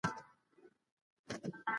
صنعتي ټولنه تر پخوانۍ ټولني پېچلې ده.